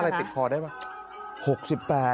อะไรติดคอได้ป่ะ